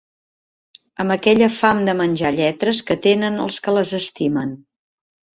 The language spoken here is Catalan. Amb aquella fam de menjar lletres que tenen els que les estimen.